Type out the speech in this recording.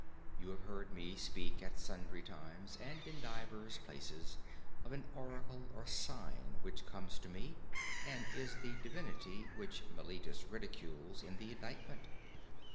You have heard me speak at sundry times and in divers places of an oracle or sign which comes to me, and is the divinity which Meletus ridicules in the indictment.